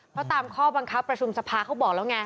เพราะตามข้อบังคับประชุมสภาเขาบอกแล้วไง